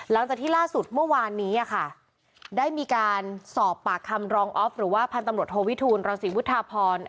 หลังจากที่ล่าสุดเมื่อวานนี้ค่ะได้มีการสอบปากคำรองออฟหรือว่าพันธุ์ตำรวจโทวิทูลรังศรีวุฒาพร